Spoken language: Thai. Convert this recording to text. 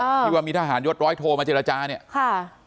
ที่ว่ามีทหารยศร้อยโทรมาเจรจาเนี่ยค่ะ